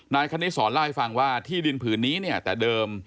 คณิตศรเล่าให้ฟังว่าที่ดินผืนนี้เนี่ยแต่เดิม